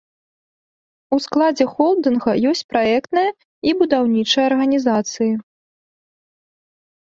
У складзе холдынга ёсць праектная і будаўнічая арганізацыі.